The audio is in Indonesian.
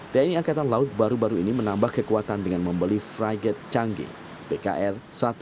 tni angkatan laut baru baru ini menambah kekuatan dengan membeli frigate canggih pkr sepuluh ribu lima ratus empat belas